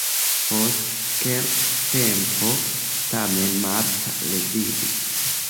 Post kelka tempo tamen Marta leviĝis.